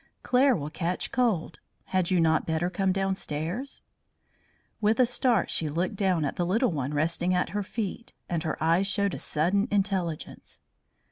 "Claire will catch cold; had you not better come downstairs?" With a start she looked down at the little one resting at her feet, and her eyes showed a sudden intelligence.